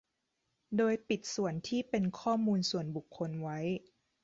โดยปิดส่วนที่เป็นข้อมูลส่วนบุคคลไว้